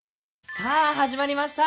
さあ始まりました。